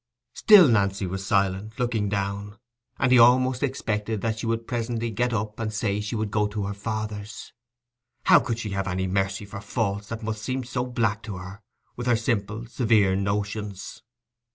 Still Nancy was silent, looking down; and he almost expected that she would presently get up and say she would go to her father's. How could she have any mercy for faults that must seem so black to her, with her simple, severe notions?